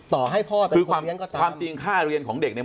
ต่อให้พ่อเป็นคนเรียนก็ตามคือความความจริงค่าเรียนของเด็กเนี่ย